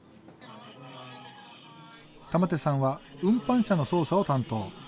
玉手さんは運搬車の操作を担当。